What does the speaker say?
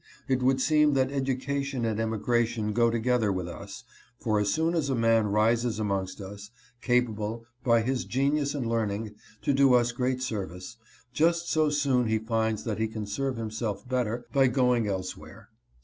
It would seem that education and emigration go together with us, for as soon as a man rises amongst us, capable, by his genius and learning, to do us great service, just so soon he finds that he can serve himself better by going elsewhere.